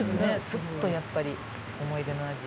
スッとやっぱり思い出の味。